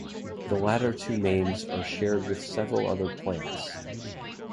The latter two names are shared with several other plants.